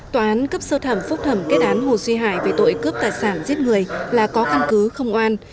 tòa án cấp sơ thẩm phúc thẩm kết án hồ duy hải về tội cướp tài sản giết người là có căn cứ không oan